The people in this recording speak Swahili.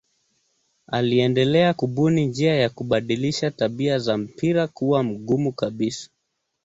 Aliendelea kubuni njia ya kubadilisha tabia za mpira kuwa mgumu kabisa.